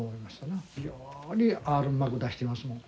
非常にアールうまく出してますもん。